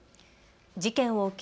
事件を受け